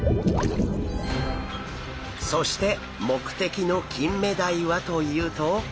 そして目的のキンメダイはというと。